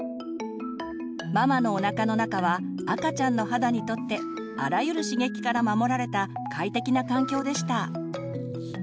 ママのおなかの中は赤ちゃんの肌にとってあらゆる刺激から守られた快適な環境でした。